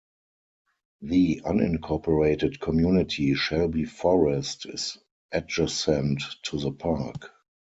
The unincorporated community Shelby Forest is adjacent to the park.